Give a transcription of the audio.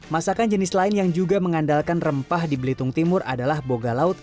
masakan jenis lain yang juga mengandalkan rempah di belitung timur adalah boga laut